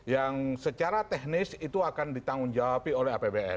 yang secara teknis itu akan ditanggung jawabi oleh apbn